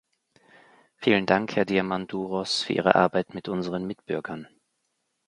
Vielen Dank, Herr Diamandouros, für Ihre Arbeit mit unseren Mitbürgern!